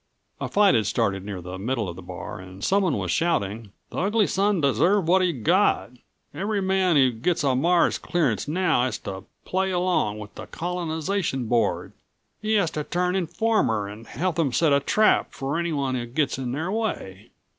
A fight had started near the middle of the bar and someone was shouting: "The ugly son deserved what he got! Every man who gets a Mars clearance now has to play along with the Colonization Board! He has to turn informer and help them set a trap for anyone who gets in their way.